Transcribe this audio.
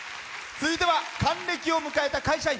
続いては還暦を迎えた会社員。